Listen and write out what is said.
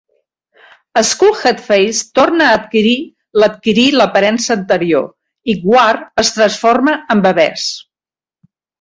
Skulhedface torna a adquirir l'adquirir l'aparença anterior i Gwar es transforma en bebès.